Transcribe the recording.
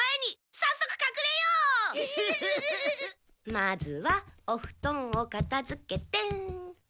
まずはおふとんをかたづけて。